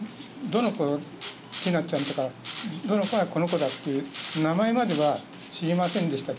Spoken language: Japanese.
どの子がちなつちゃんとか、どの子がこの子だという名前までは知りませんでした。